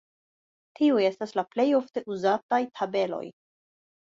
Tiuj estas la plej ofte uzataj tabeloj.